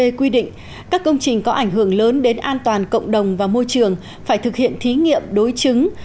quy định các công trình có ảnh hưởng lớn đến an toàn cộng đồng và môi trường phải thực hiện thí nghiệm đối chứng